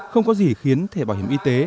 không có gì khiến thể bảo hiểm y tế